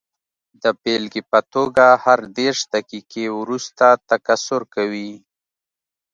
د بېلګې په توګه هر دېرش دقیقې وروسته تکثر کوي.